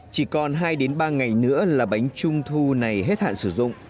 chỉ còn hai ba ngày nữa là bánh trung thu này hết hạn sử dụng